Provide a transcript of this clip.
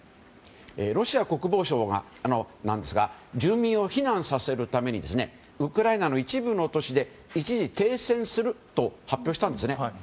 ロシア国防省が住民を避難させるためにウクライナの一部の都市で一時停戦すると発表したんですね。